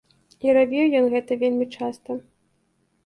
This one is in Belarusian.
І рабіў ён гэта вельмі часта.